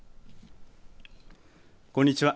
こんにちは。